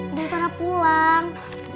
udah sana pulang